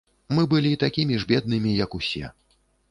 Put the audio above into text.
Мы былі такім ж беднымі, як усе.